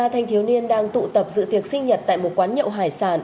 năm mươi ba thanh thiếu niên đang tụ tập dự tiệc sinh nhật tại một quán nhậu hải sản